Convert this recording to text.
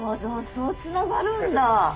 そうつながるんだ。